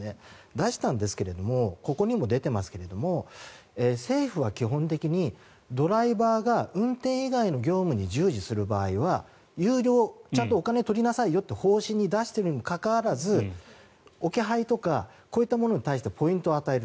出したんですがここにも出ていますけど政府は基本的にドライバーが運転以外の業務に従事する場合は有料、ちゃんとお金取りなさいよと方針に出しているにもかかわらず置き配とかこういったものに対してポイントを与える。